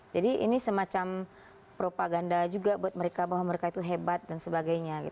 jadi ini semacam propaganda juga buat mereka bahwa mereka itu hebat dan sebagainya